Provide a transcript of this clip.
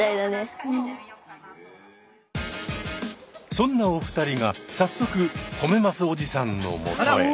そんなお二人が早速褒めますおじさんのもとへ。